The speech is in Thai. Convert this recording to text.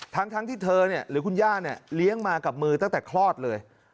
ทั้งที่เธอหรือคุณย่าเนี่ยเลี้ยงมากับมือตั้งแต่คลอดเลย